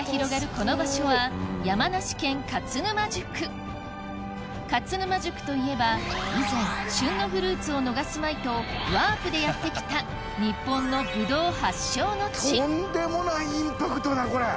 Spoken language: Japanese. この場所は山梨県勝沼宿勝沼宿といえば以前旬のフルーツを逃すまいとワープでやって来たとんでもないインパクトだこれ。